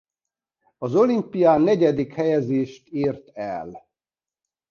Az olimpián negyedik helyezést ért el.